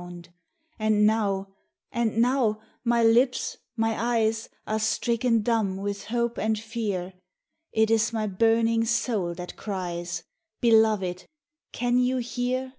116 SERENADE And now, and now, my lips, my eyes, Are stricken dumb with hope and fear, It is my burning soul that cries, Beloved, can you hear